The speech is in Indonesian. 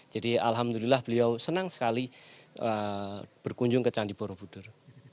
jadi alhamdulillah beliau senang sekali berkunjung ke candi borobudur